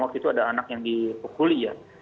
waktu itu ada anak yang dipukuli ya